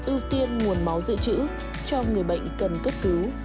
ưu tiên nguồn máu dự trữ cho người bệnh cần cấp cứu